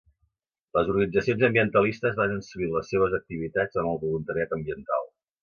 Les organitzacions ambientalistes basen sovint les seues activitats en el voluntariat ambiental.